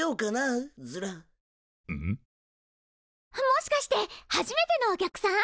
もしかして初めてのお客さん？